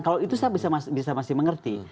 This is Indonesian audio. kalau itu saya bisa masih mengerti